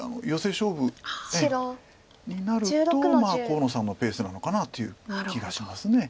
白１６の十。になると河野さんのペースなのかなという気がします。